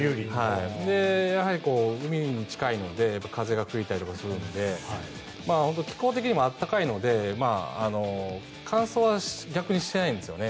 やはり海に近いので風が吹いたりとかするので気候的にも暖かいので乾燥は逆にしてないんですよね。